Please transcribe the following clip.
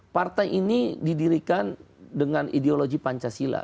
partai ini didirikan dengan ideologi pancasila